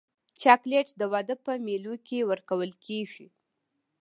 چاکلېټ د واده په مېلو کې ورکول کېږي.